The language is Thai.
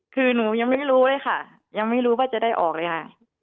คือหนูยังไม่รู้เลยค่ะยังไม่รู้ว่าจะได้ออกเลยค่ะ